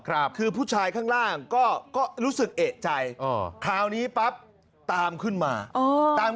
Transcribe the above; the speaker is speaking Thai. คือผู้ชายข้างล่างก็รู้สึกเอกใจคราวนี้ปั๊บตามขึ้นมา